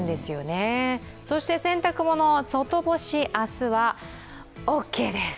そして洗濯物、外干し、明日はオッケーです。